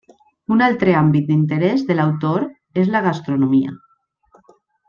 Un altre àmbit d'interès de l'autor és la gastronomia.